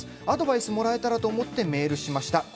アドバイスもらえたらと思ってメールしました。